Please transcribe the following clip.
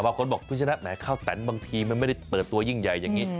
แต่บางคนบอกฟุ้ชนะข้าวแตนบางทีไม่ได้เปิดตัวยิ่งใหญ่อย่างนี้